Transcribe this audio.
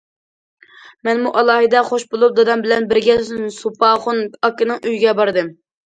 مەنمۇ ئالاھىدە خۇش بولۇپ، دادام بىلەن بىرگە سوپاخۇن ئاكىنىڭ ئۆيىگە باردىم.